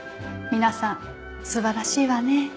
皆さん素晴らしいわね。